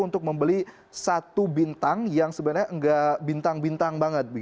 untuk membeli satu bintang yang sebenarnya enggak bintang bintang banget